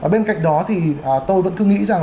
bên cạnh đó thì tôi vẫn cứ nghĩ rằng